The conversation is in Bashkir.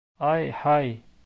Ай-һай!..